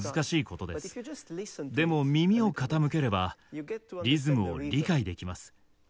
でも耳を傾ければリズムを理解できます。